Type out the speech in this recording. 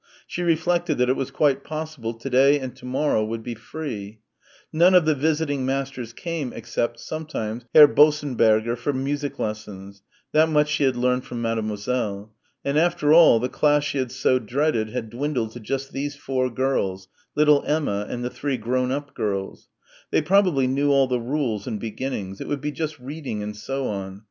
She reflected that it was quite possible to day and to morrow would be free. None of the visiting masters came, except, sometimes, Herr Bossenberger for music lessons that much she had learned from Mademoiselle. And, after all, the class she had so dreaded had dwindled to just these four girls, little Emma and the three grown up girls. They probably knew all the rules and beginnings. It would be just reading and so on.